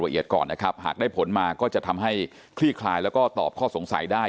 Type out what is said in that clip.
ก่อนนะครับหากได้ผลมาก็จะทำให้คลี่คลายแล้วก็ตอบข้อสงสัยได้